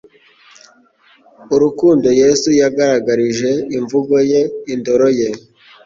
urukundo Yesu yagaragarishije imvugo ye, indoro ye,